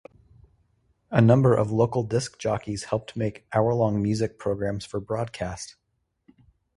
A number of local disc jockeys helped make hourlong music programs for broadcast.